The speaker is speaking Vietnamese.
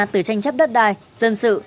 từ tranh chấp đất đai dân sự